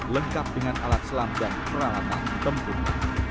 lengkap dengan alat selam dan peralatan tempur